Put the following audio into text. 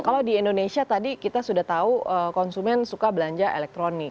kalau di indonesia tadi kita sudah tahu konsumen suka belanja elektronik